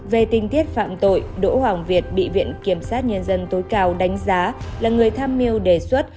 về tinh tiết phạm tội đỗ hoàng việt bị viện kiểm sát nhân dân tối cao đánh giá là người tham mưu đề xuất